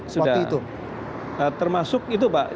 sudah termasuk itu pak